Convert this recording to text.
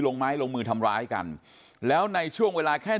ลงไม้ลงมือทำร้ายกันแล้วในช่วงเวลาแค่